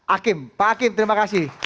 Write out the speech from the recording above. akim pak akim terima kasih